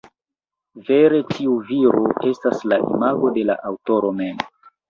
Vere tiu viro estas la imago de la aŭtoro mem.